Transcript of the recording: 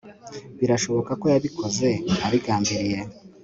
Birashoboka ko yabikoze abigambiriye